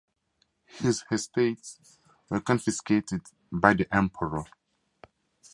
His estates were confiscated by the Emperor.